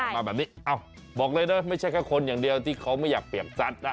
มาแบบนี้บอกเลยนะไม่ใช่แค่คนอย่างเดียวที่เขาไม่อยากเปียกสัตว์นะ